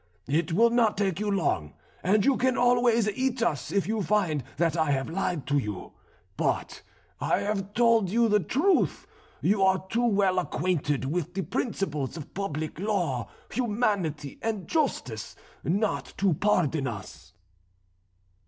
It will not take you long, and you can always eat us if you find that I have lied to you. But I have told you the truth. You are too well acquainted with the principles of public law, humanity, and justice not to pardon us."